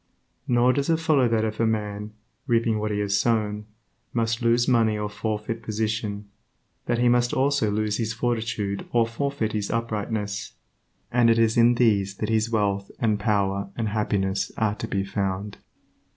Nor does it follow that if a man (reaping what he has sown) must lose money or forfeit position, that he must also lose his fortitude or forfeit his uprightness, and it is in these that his wealth and power and happiness are to be found.